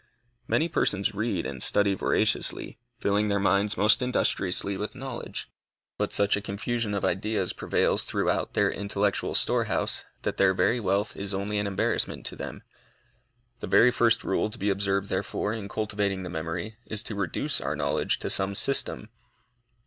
Many persons read and study voraciously, filling their minds most industriously with knowledge, but such a confusion of ideas prevails throughout their intellectual store house, that their very wealth is only an embarrassment to them. The very first rule to be observed, therefore, in cultivating the memory, is to reduce our knowledge to some system.